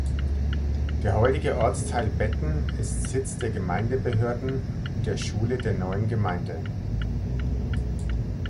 Der heutige Ortsteil Betten ist Sitz der Gemeindebehörden und der Schule der neuen Gemeinde.